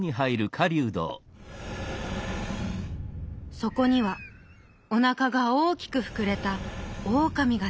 そこにはおなかがおおきくふくれたオオカミがねていました。